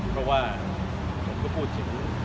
เพราะว่าผมก็พูดถึง